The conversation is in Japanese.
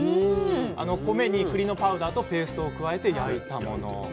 米にくりのパウダーとペーストを加えて焼いたもの。